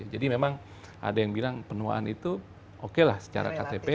jadi memang ada yang bilang penuaan itu okelah secara ktp